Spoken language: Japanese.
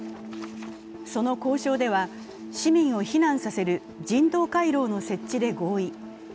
その交渉では、市民を避難させる人道回廊の設置で合意。